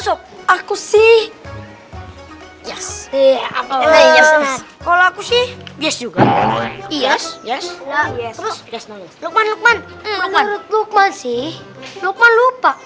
sob aku sih yes kalau aku sih bias juga iya lukman lukman lukman lupa lupa